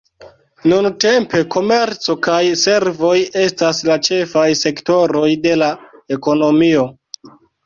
Nuntempe komerco kaj servoj estas la ĉefaj sektoroj de la ekonomio.